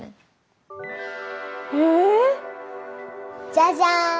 じゃじゃん！